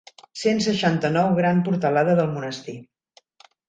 Cent seixanta-nou gran portalada del monestir.